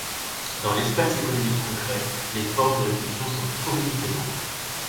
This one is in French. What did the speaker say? Dans l’espace économique concret, les forces de répulsion sont omniprésentes.